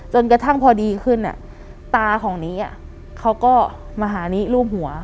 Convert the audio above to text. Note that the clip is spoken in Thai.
จนกระทั่งพอดีขึ้นตาของนี้เขาก็มาหานี้รูปหัว